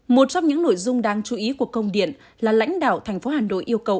một trong những nội dung đáng chú ý của công điện là lãnh đạo thành phố hà nội yêu cầu